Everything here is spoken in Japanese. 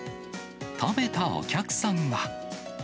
食べたお客さんは。